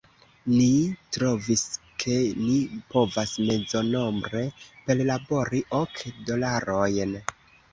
Ni trovis, ke ni povas mezonombre perlabori ok dolarojn.